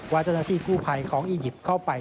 ว่าเจ้าหน้าที่กู้ภัยของอียิปต์เข้าไป